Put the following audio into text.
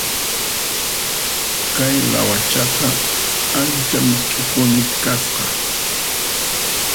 Kay lawachaqa ancha misk'ipuni kasqa.